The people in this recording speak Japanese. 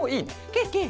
ケケ。